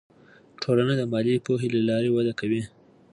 ټولنه د مالي پوهې له لارې وده کوي.